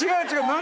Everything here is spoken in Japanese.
何？